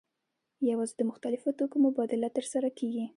یوازې د مختلفو توکو مبادله ترسره کیږي.